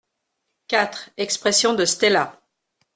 quatre Expression de Stella.